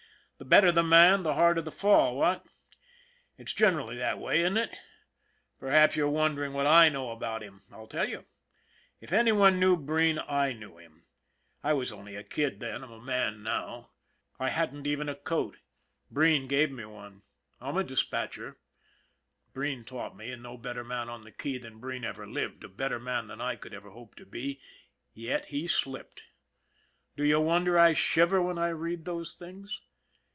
The better the man the harder the fall, what? It's generally that way, isn't it? Perhaps you're wondering what / know about him. I'll tell you. If any one knew Breen, I knew him. I was only a kid then, I'm a man now. I "IF A MAN DIE" 47 hadn't even a coat Breen gave me one. I'm a dis patcher Breen taught me, and no better man on the " key " than Breen ever lived, a better man than I could ever hope to be, yet he slipped. Do you wonder I shiver when I read those things